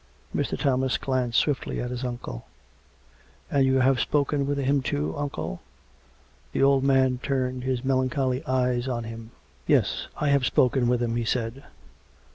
Mr. Thomas glanced swiftly at his uncle. " And you have spoken with him, too, uncle ?" 193 194 COME RACK! COME ROPE! The old man turned his melancholy eyes on him. " Yes ; I have spoken with him," he said.